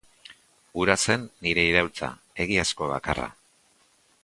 Hura zen nire iraultza, egiazko bakarra.